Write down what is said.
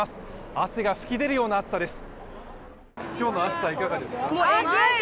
汗が噴き出るような暑さです。